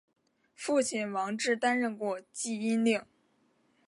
父亲王志担任过济阴令。